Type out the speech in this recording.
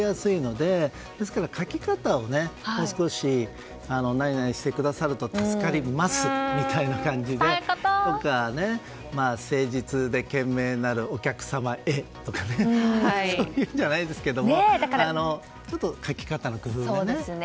ですから、書き方をもう少しどうこうしてくださると助かりますみたいな感じで誠実で賢明なるお客様へとかね。そういうのじゃないですけどちょっと書き方の工夫をね。